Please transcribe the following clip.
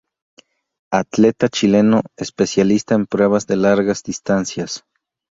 Atleta chileno especialista en pruebas de largas distancias.